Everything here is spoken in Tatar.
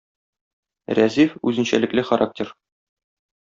Рәзиф - үзенчәлекле характер.